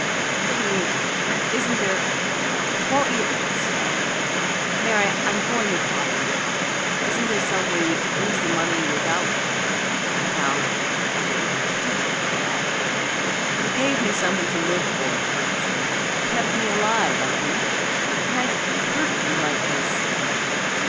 "Couldn't you Isn't there Won't you " he stammered. "Mary, I'm going with father. Isn't there some way you could use the money without without " She gave a choked little laugh. "You gave me something to live for," he said. "You kept me alive, I think and I've hurt you like this!"